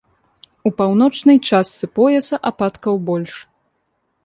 У паўночнай частцы пояса ападкаў больш.